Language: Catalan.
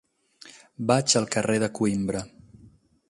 Vaig al carrer de Coïmbra.